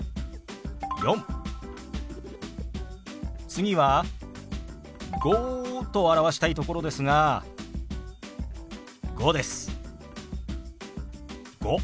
次は「５」と表したいところですが「５」です。